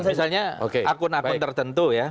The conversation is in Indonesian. misalnya akun akun tertentu ya